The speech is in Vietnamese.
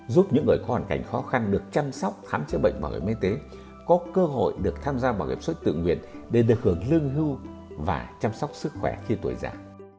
giúp những người có hoàn cảnh khó khăn được chăm sóc khám chữa bệnh bảo hiểm y tế có cơ hội được tham gia bảo hiểm suất tự nguyện để được hưởng lương hưu và chăm sóc sức khỏe khi tuổi già